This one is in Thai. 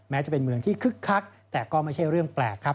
จะเป็นเมืองที่คึกคักแต่ก็ไม่ใช่เรื่องแปลกครับ